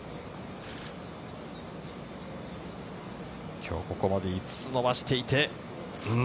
今日ここまで５つ伸ばしていって。